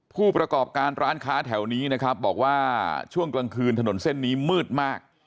ผู้ประกอบการร้านค้าแถวนี้นะครับบอกว่าช่วงกลางคืนถนนเส้นนี้มืดมาก